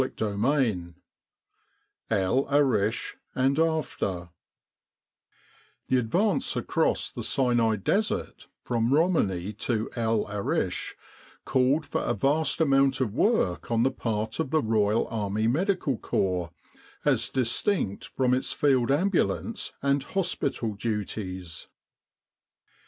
CHAPTER IX EL ARISH AND AFTER THE advance across the Sinai Desert from Romani to El Arish called for a vast amount of work on the part of the Royal Army Medical Corps, as distinct from its Field Ambulance and hospital duties.